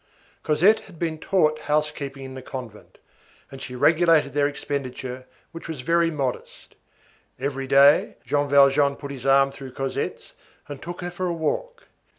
Cosette had been taught housekeeping in the convent, and she regulated their expenditure, which was very modest. Every day, Jean Valjean put his arm through Cosette's and took her for a walk.